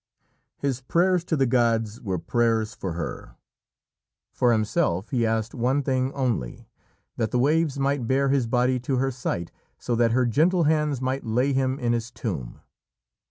His prayers to the gods were prayers for her. For himself he asked one thing only that the waves might bear his body to her sight, so that her gentle hands might lay him in his tomb.